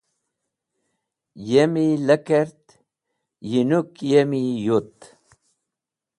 Ayemi lekert, yinũk yemi yut.